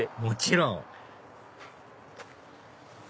もちろん！